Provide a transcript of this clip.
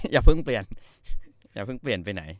อย่าเพิ่งเปลี่ยนอย่าเพิ่งเปลี่ยนไปไหน